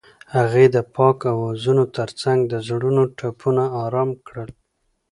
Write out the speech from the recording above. هغې د پاک اوازونو ترڅنګ د زړونو ټپونه آرام کړل.